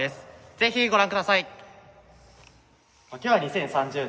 是非ご覧ください。